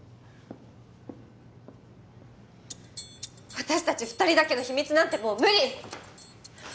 私たち２人だけの秘密なんてもう無理！